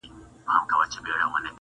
• چي ورور دي وژني ته ورته خاندې -